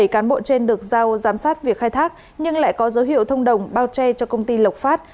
bảy cán bộ trên được giao giám sát việc khai thác nhưng lại có dấu hiệu thông đồng bao che cho công ty lộc phát